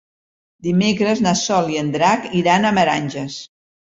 Dimecres na Sol i en Drac iran a Meranges.